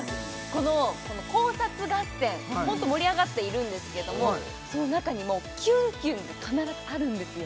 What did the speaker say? この考察合戦ホント盛り上がっているんですけどもその中にもキュンキュンが必ずあるんですよ